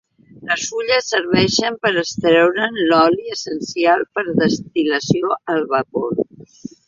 Les fulles serveixen per extreure'n l'oli essencial per destil·lació al vapor.